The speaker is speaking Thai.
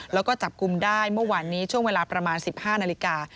แล้วก็จับกลุ่มได้เมื่อวานนี้ช่วงเวลาประมาณ๑๕นาฬิกา